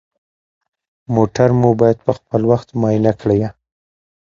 موټر مو باید پخپل وخت معاینه کړئ.